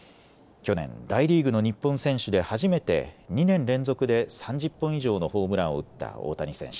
去年、大リーグの日本選手で初めて２年連続で３０本以上のホームランを打った大谷選手。